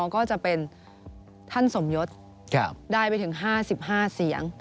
ก็จะเป็นท่านสมยศได้ไปถึง๕๕เสียง